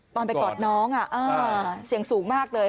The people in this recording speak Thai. ตอนไปกอดน้องเสียงสูงมากเลย